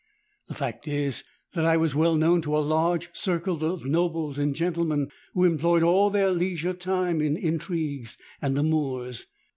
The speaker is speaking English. The fact is, that I was well known to a large circle of nobles and gentlemen who employed all their leisure time in intrigues and amours.